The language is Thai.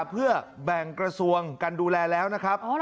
เพื่อแบ่งกระทรวงกันดูแลแล้วนะครับ